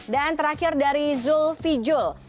dan terakhir dari zulvijul